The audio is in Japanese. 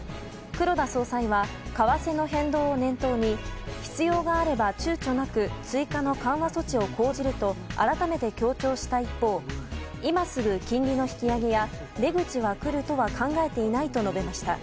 黒田総裁は為替の変動を念頭に必要があれば躊躇なく追加の緩和措置を講じると改めて強調した一方今すぐ金利の引き上げや出口が来るとは考えていないと述べました。